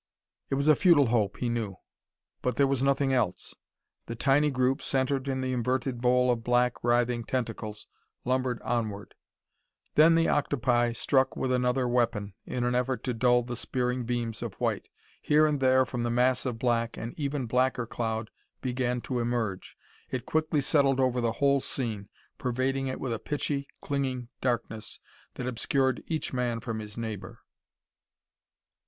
It was a futile hope, he knew but there was nothing else. The tiny group, centered in the inverted bowl of black, writhing tentacles, lumbered onward. Then the octopi struck with another weapon, in an effort to dull the spearing beams of white. Here and there from the mass of black an even blacker cloud began to emerge. It quickly settled over the whole scene, pervading it with a pitchy, clinging darkness that obscured each man from his neighbor.